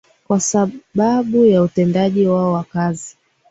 kwa sababu ya utendaji wao wa kazi